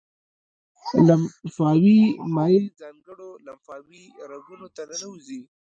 لمفاوي مایع ځانګړو لمفاوي رګونو ته ننوزي.